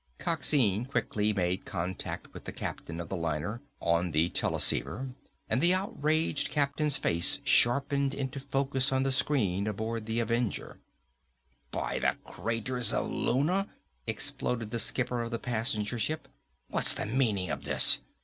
Coxine quickly made contact with the captain of the liner on the teleceiver and the outraged captain's face sharpened into focus on the screen aboard the Avenger. "By the craters of Luna," exploded the skipper of the passenger ship, "what's the meaning of this?